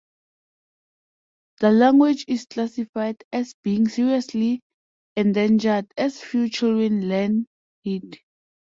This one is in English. The language is classified as being seriously endangered as few children learn it.